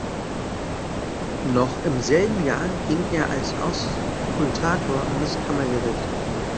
Noch im selben Jahr ging er als Auskultator an das Kammergericht.